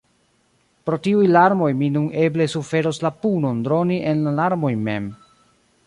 “Pro tiuj larmoj mi nun eble suferos la punon droni en la larmoj mem.